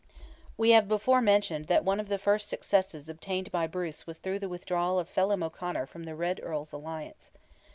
We have before mentioned that one of the first successes obtained by Bruce was through the withdrawal of Felim O'Conor from the Red Earl's alliance.